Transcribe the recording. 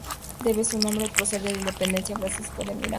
Debe su nombre al prócer de la independencia, Francisco de Miranda.